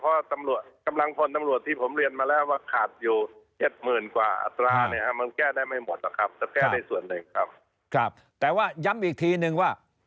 เพราะว่ากำลังพลตำรวจที่ผมเรียนมาแล้วว่า